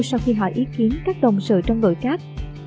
sau khi hỏi ý kiến các đồng sự trong nội các